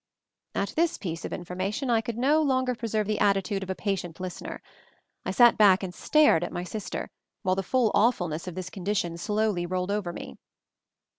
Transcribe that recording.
At this piece of information I could no 202 MOVING THE MOUNTAIN longer preserve the attitude of a patient lis tener. I sat back and stared at my sister, while the full awfulness of this condition slowly rolled over me.